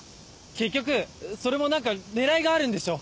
結局それも何か狙いがあるんでしょ？